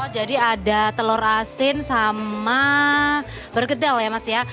ada telur asin sama bergedel ya mas ya